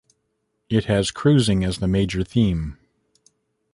It has cruising as the major theme.